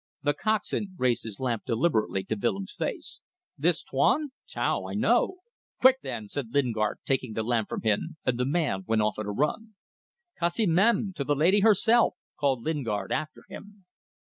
The coxswain raised his lamp deliberately to Willem's face. "This Tuan? Tau! I know." "Quick then!" said Lingard, taking the lamp from him and the man went off at a run. "Kassi mem! To the lady herself," called Lingard after him.